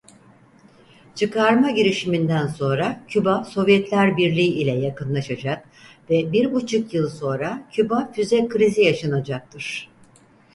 Çıkarma girişiminden sonra Küba Sovyetler Birliği ile yakınlaşacak ve bir buçuk yıl sonra Küba Füze Krizi yaşanacaktır.